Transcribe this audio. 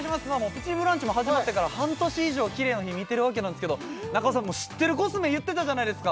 「プチブランチ」始まってから半年以上キレイの日見てるわけなんですけど中尾さん知ってるコスメ言ってたじゃないですか！